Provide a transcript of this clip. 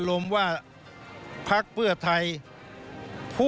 ส่วนต่างกระโบนการ